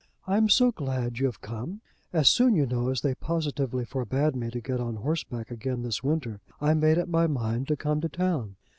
"I am so glad you have come. As soon, you know, as they positively forbade me to get on horseback again this winter, I made up my mind to come to town.